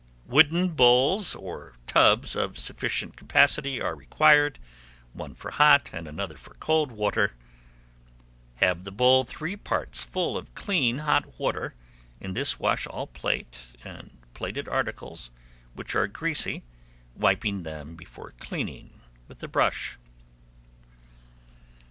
Wooden bowls or tubs of sufficient capacity are required, one for hot and another for cold water. Have the bowl three parts full of clean hot water; in this wash all plate and plated articles which are greasy, wiping them before cleaning with the brush.